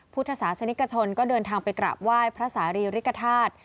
พุทธศาสนิกชนก็เดินทางไปกราบไหว้พระสารีริกฐาตุ